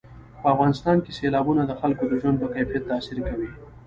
په افغانستان کې سیلابونه د خلکو د ژوند په کیفیت تاثیر کوي.